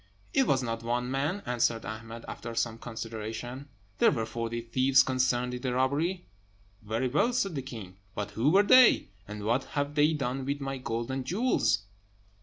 "It was not one man," answered Ahmed, after some consideration; "there were forty thieves concerned in the robbery." "Very well," said the king; "but who were they? and what have they done with my gold and jewels?"